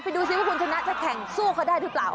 ดูสิว่าคุณชนะจะแข่งสู้เขาได้หรือเปล่า